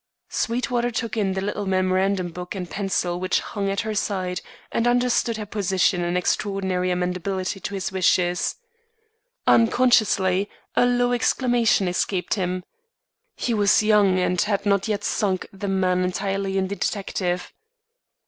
Sweetwater took in the little memorandum book and pencil which hung at her side, and understood her position and extraordinary amenability to his wishes. Unconsciously, a low exclamation escaped him. He was young and had not yet sunk the man entirely in the detective.